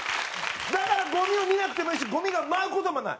だからゴミを見なくてもいいしゴミが舞う事もない。